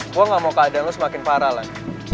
gue gak mau keadaan lo semakin parah lah